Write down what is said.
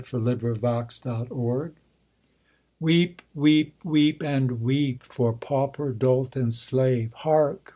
ALTON LOCKE'S SONG Weep, weep, weep and weep, For pauper, dolt, and slave! Hark!